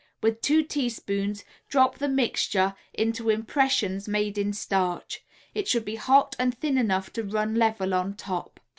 With two teaspoons drop the mixture into impressions made in starch; it should be hot and thin enough to run level on top.